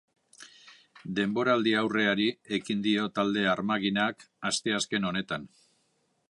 Denboraldiaurreari ekin dio talde armaginak asteazken honetan.